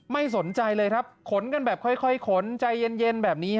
ไม่สนใจเลยครับขนกันแบบค่อยขนใจเย็นแบบนี้